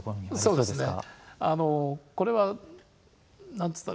そうですね。